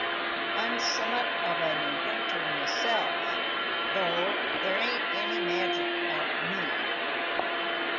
I'm summat of an inventor myself, though there ain't any magic about me."